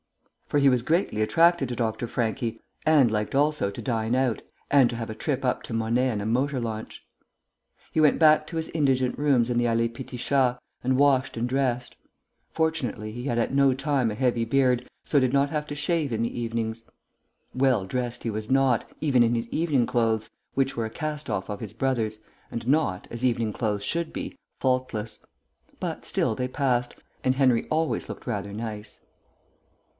For he was greatly attracted by Dr. Franchi, and liked also to dine out, and to have a trip up to Monet in a motor launch. He went back to his indigent rooms in the Allée Petit Chat, and washed and dressed. (Fortunately, he had at no time a heavy beard, so did not have to shave in the evenings.) Well dressed he was not, even in his evening clothes, which were a cast off of his brother's, and not, as evening clothes should be, faultless; but still they passed, and Henry always looked rather nice.